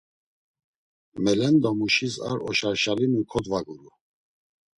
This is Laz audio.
Melendomuşis ar oşarşalinu kodvaguru.